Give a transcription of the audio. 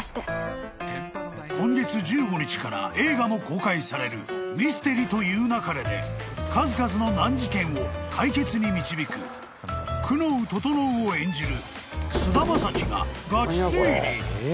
［今月１５日から映画も公開される『ミステリと言う勿れ』で数々の難事件を解決に導く久能整を演じる］